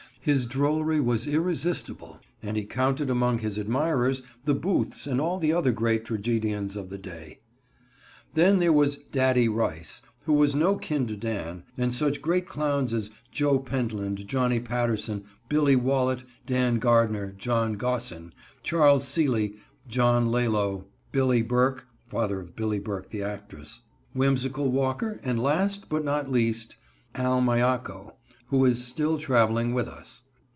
His drollery was irresistible, and he counted among his admirers the Booths and all the other great tragedians of the day. Then there was "Daddy" Rice, who was no kin to Dan, and such great clowns as Joe Pentland, Johnny Patterson, Billy Wallett, Dan Gardner, John Gossin, Charles Seeley, John Lalow, Billy Burke, father of Billie Burke the actress, "Whimsical" Walker, and last, but not least, Al Miaco, who is still traveling with us.